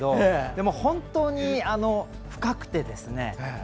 でも、本当に深くてですね。